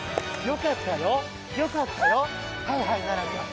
よかったよ、よかったよ！